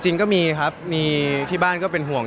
จริงก็มีครับมีที่บ้านก็เป็นห่วง